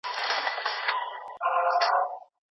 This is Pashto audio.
ځان لوی مه ګڼئ.